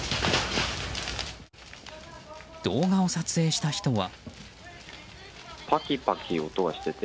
動画を撮影した人は。